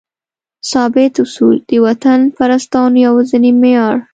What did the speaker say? ثابت اصول؛ د وطنپرستانو یوازینی معیار